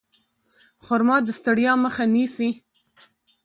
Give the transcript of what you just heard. خرما د ستړیا مخه نیسي.